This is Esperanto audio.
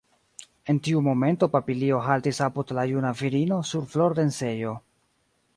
En tiu momento papilio haltis apud la juna virino sur flordensejo.